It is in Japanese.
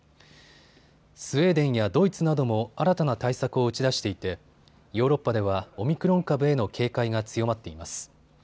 スウェーデンやドイツなども新たな対策を打ち出していてヨーロッパではオミクロン株への警戒が強まっています。